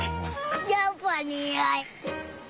やっぱにがい。